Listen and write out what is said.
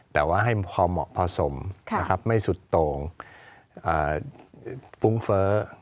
แต่ว่าให้พอเหมาะพอสมไม่สุดโต่งฟุ้งเฟ้อ